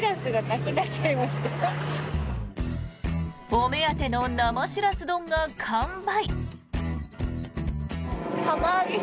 お目当ての生シラス丼が完売。